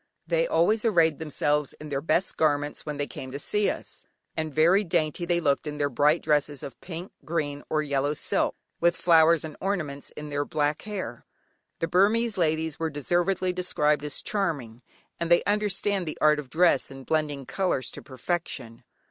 They always arrayed themselves in their best garments when they came to see us, and very dainty they looked in their bright dresses of pink, green, or yellow silk, with flowers and ornaments in their black hair. The Burmese ladies are deservedly described as charming, and they understand the art of dress, and blending colours to perfection.